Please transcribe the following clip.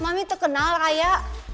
mami terkenal raya